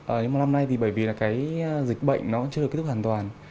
nhưng mà năm nay bởi vì dịch bệnh nó chưa kết thúc hoàn toàn